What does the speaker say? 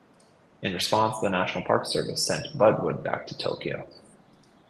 In response, the National Park Service sent budwood back to Tokyo.